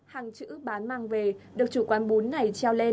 hàng chữ bán mang về được chủ quán bún này treo lên